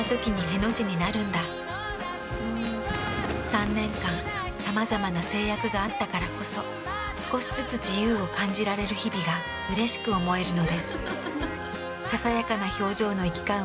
３年間さまざまな制約があったからこそ少しずつ自由を感じられる日々がうれしく思えるのです。